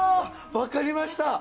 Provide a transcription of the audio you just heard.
わかりました！